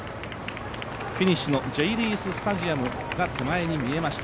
フィニッシュのジェイリーススタジアムが手前に見えました。